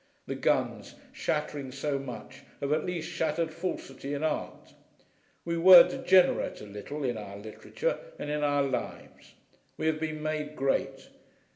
The guns, shattering so much, have at least shattered falsity in art. We were degenerate, a little, in our literature and in our lives: we have been made great.